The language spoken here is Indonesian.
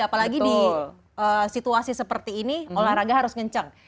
apalagi di situasi seperti ini olahraga harus ngencang